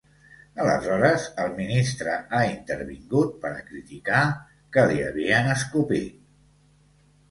Aleshores, el ministre ha intervingut per a criticar que li havien escopit.